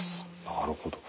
なるほど。